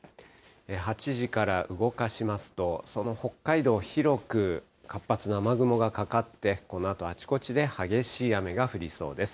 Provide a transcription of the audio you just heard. ８時から動かしますと、その北海道、広く活発な雨雲がかかって、このあとあちこちで激しい雨が降りそうです。